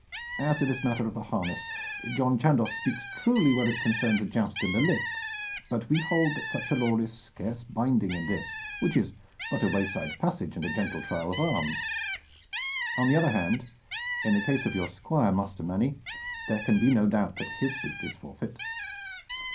As to this matter of the harness, John Chandos speaks truly where it concerns a joust in the lists, but we hold that such a law is scarce binding in this, which was but a wayside passage and a gentle trial of arms. On the other hand, in the case of your Squire, Master Manny, there can be no doubt that his suit is forfeit."